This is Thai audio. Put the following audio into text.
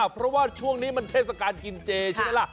เพราะว่าช่วงนี้มันเทศกาลกินเจใช่ไหมล่ะ